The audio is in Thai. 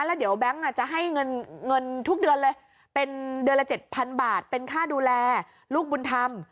แล้วเดี๋ยวแบงค์จะให้เงินทุกเดือนเลยเป็นเดือนละ๗๐๐บาทเป็นค่าดูแลลูกบุญธรรม